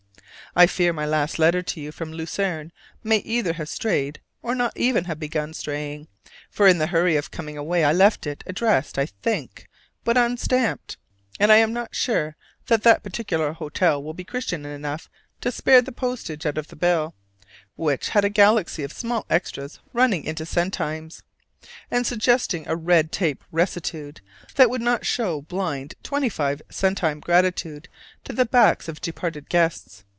I fear my last letter to you from Lucerne may either have strayed, or not even have begun straying: for in the hurry of coming away I left it, addressed, I think, but unstamped; and I am not sure that that particular hotel will be Christian enough to spare the postage out of the bill, which had a galaxy of small extras running into centimes, and suggesting a red tape rectitude that would not show blind twenty five centime gratitude to the backs of departed guests.